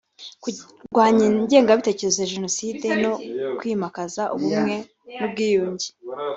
kurwanya ingengabitekerezo ya Jenoside no kwimakaza Ubumwe n’Ubwiyunge